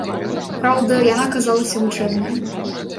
Праўда, яна аказалася вучэбнай.